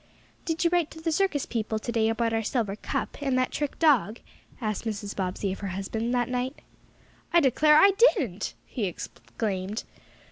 "Did you write to the circus people today about our silver cup, and that trick dog?" asked Mrs. Bobbsey of her husband, that night. "I declare, I didn't!" he exclaimed.